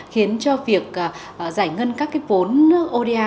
khiến cho việc giải ngân các cái vốn oda